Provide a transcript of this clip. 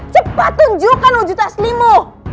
cepat tunjukkan wujud aslimu